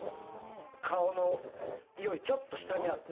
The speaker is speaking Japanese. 顔のよりちょっと下にある。